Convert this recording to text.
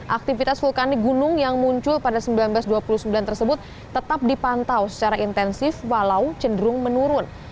aktivitas vulkanik gunung yang muncul pada seribu sembilan ratus dua puluh sembilan tersebut tetap dipantau secara intensif walau cenderung menurun